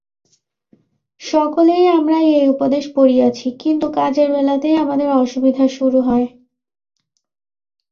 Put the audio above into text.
সকলেই আমরা এই উপদেশ পড়িয়াছি, কিন্তু কাজের বেলাতেই আমাদের অসুবিধা শুরু হয়।